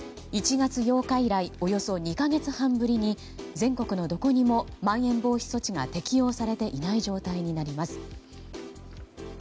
１月８日以来およそ２か月半ぶりに全国のどこにもまん延防止措置が適用されていない状態になります。